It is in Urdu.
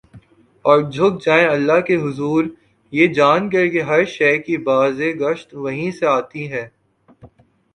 اور جھک جائیں اللہ کے حضور یہ جان کر کہ ہر شے کی باز گشت وہیں سے آتی ہے ۔